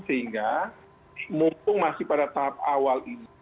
sehingga mumpung masih pada tahap awal ini